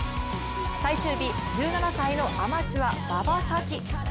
最終日、１７歳のアマチュア馬場咲希。